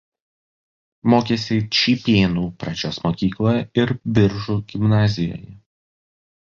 Mokėsi Čypėnų pradžios mokykloje ir Biržų gimnazijoje.